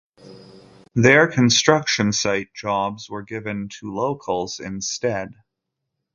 Their construction site jobs were given to locals instead.